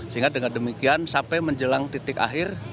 sehingga dengan demikian sampai menjelang titik akhir